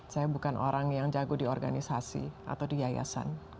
saya bukan orang yang jago di organisasi atau di yayasan